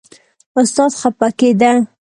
استاد خپه کېده.